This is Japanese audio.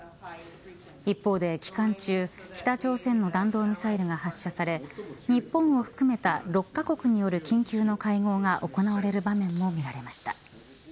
一方で期間中北朝鮮の弾道ミサイルが発射され日本を含めた６カ国による緊急の会合が行われる場面も見られました。